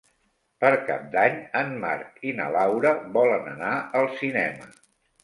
Per Cap d'Any en Marc i na Laura volen anar al cinema.